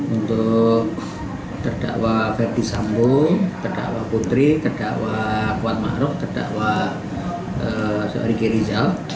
untuk terdakwa ferdis sambu terdakwa putri terdakwa kuatmahruf terdakwa soeari kirijal